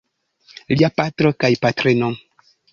Lia patro kaj patrino.